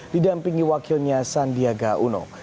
didampingi wakilnya sandiaga uno